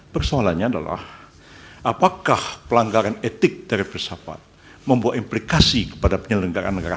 persoalannya adalah apakah pelanggaran etik dari filsafat membuat implikasi kepada penyelenggara negara